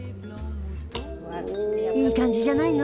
いい感じじゃないの？